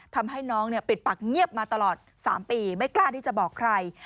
ทำให้น้องปิดปากเงียบมาตลอด๓ปีไม่กล้าที่จะบอกใคร